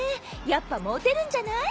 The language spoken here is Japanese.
やっぱモテるんじゃない？